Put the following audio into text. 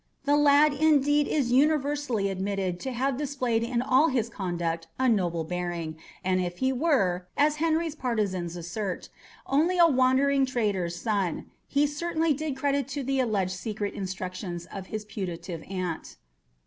The lad, indeed, is universally admitted to have displayed in all his conduct a noble bearing, and if he were, as Henry's partisans assert, only a wandering trader's son, he certainly did credit to the alleged secret instructions of his putative aunt.